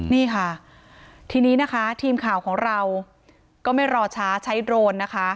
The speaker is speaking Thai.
นี่ค่ะทีนี้นะคะทีมข่าวของเราก็ไม่รอช้าใช้โดรนนะคะ